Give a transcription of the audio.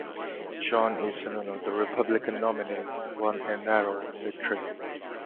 John E. Sununu, the Republican nominee, won a narrow victory.